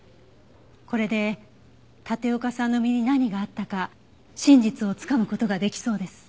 これで立岡さんの身に何があったか真実をつかむ事ができそうです。